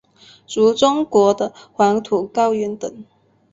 如中国的黄土高原等。